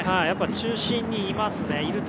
やっぱり中心にいますね。